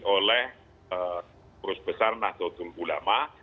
oleh urus besar nato tululama